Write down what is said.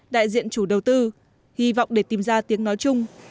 đại diện chủ đầu tư hy vọng để tìm ra tiếng nói chung